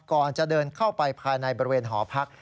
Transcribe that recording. ก่อนจะเดินเข้าไปภายในบริเวณหอพัก